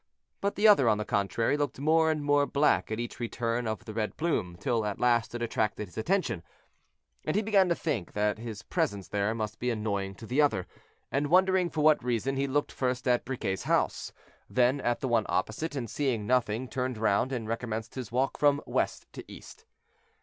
But the other, on the contrary, looked more and more black at each return of the red plume, till at last it attracted his attention, and he began to think that his presence there must be annoying to the other; and wondering for what reason, he looked first at Briquet's house, then at the one opposite, and seeing nothing, turned round and recommenced his walk from west to east.